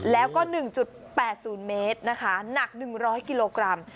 แล้วก็๑๘๐เมตรนะคะหนัก๑๐๐กิโลกรัม